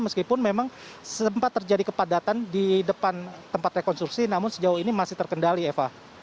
meskipun memang sempat terjadi kepadatan di depan tempat rekonstruksi namun sejauh ini masih terkendali eva